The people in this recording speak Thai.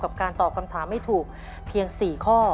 การตอบคำถามให้ถูกเพียง๔ข้อ